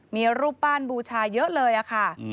มีรูปปั้นบูชาเยอะเลยค่ะ